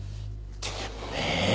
てめえ！